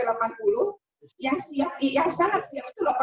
lalu yang siap kategori siap itu enam puluh sampai delapan puluh